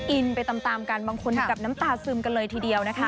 อินไปตามกันบางคนกับน้ำตาซึมกันเลยทีเดียวนะคะ